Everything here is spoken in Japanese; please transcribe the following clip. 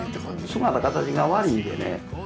姿形が悪いんでね。